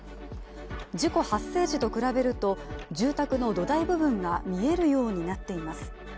事故発生時と比べると住宅の土台部分が見えるようになっています。